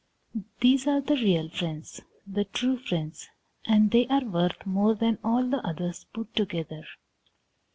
These are the real friends, the true friends, and they are worth more than all the others put together.